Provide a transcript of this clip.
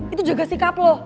itu jaga sikap lo